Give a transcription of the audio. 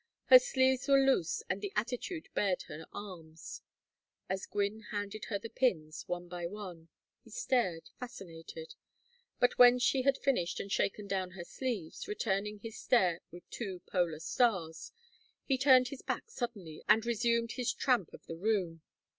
Her sleeves were loose and the attitude bared her arms. As Gwynne handed her the pins, one by one, he stared, fascinated; but when she had finished and shaken down her sleeves, returning his stare with two polar stars, he turned his back suddenly and resumed his tramp of the room.